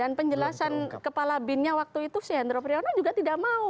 dan penjelasan kepala binnya waktu itu si hendro priyono juga tidak mau